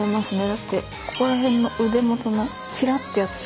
だってここらへんの腕元のひらってやつ。